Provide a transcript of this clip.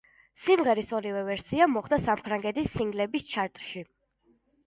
სიმღერის ორივე ვერსია მოხვდა საფრანგეთის სინგლების ჩარტში.